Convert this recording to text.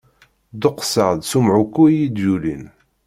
Dduqseɣ-d s umɛuqqu iyi-d-yulin.